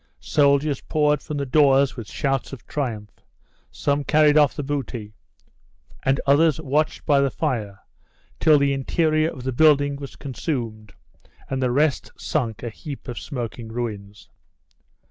Soldiers poured from the doors with shouts of triumph; some carried off the booty, and others watched by the fire till the interior of the building was consumed and the rest sunk a heap of smoking ruins.